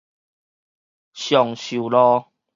松壽路